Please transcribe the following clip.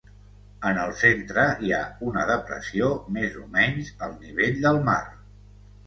En el centre hi ha una depressió més o menys al nivell del mar.